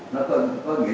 những chủ tướng nhất